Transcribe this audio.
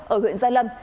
ở huyện gia lâm